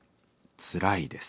つらいです」。